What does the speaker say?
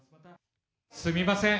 すみません。